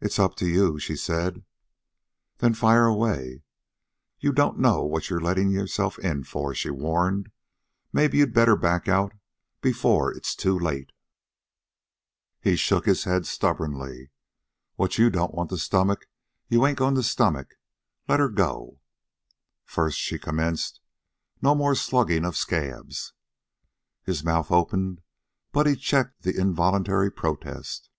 "It's up to you," she said. "Then fire away." "You don't know what you're letting yourself in for," she warned. "Maybe you'd better back out before it's too late." He shook his head stubbornly. "What you don't want to stomach you ain't goin' to stomach. Let her go." "First," she commenced, "no more slugging of scabs." His mouth opened, but he checked the involuntary protest.